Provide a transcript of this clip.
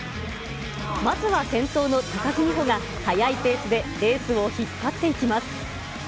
まずは先頭の高木美帆が速いペースでレースを引っ張っていきます。